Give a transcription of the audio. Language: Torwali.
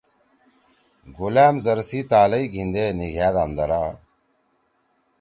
گلام زر سی تالئی گھیندے نیگھأد آندرا